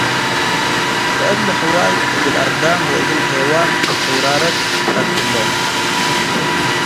ከእሊ' ሕዋይ እግል አዳም ወእግል ሔዋን እብ ሕውራረት ቀት'ሎ'ም።